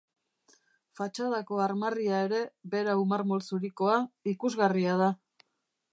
Fatxadako armarria ere, berau marmol zurikoa, ikusgarria da.